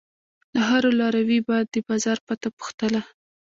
له هر لاروي به د بازار پته پوښتله.